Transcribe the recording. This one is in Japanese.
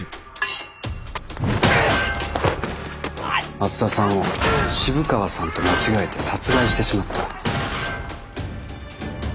松田さんを渋川さんと間違えて殺害してしまった。